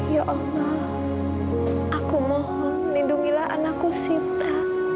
ya allah aku mohon lindungilah anakku sita